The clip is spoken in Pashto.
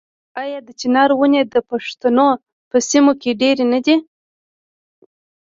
آیا د چنار ونې د پښتنو په سیمو کې ډیرې نه دي؟